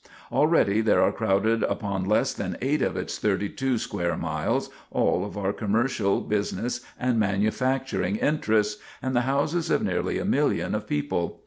Already there are crowded upon less than eight of its thirty two square miles all of our commercial, business, and manufacturing interests, and the houses of nearly 1,000,000 of people.